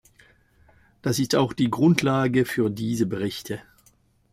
Das ist auch die Grundlage für diese Berichte.